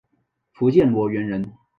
福建罗源人。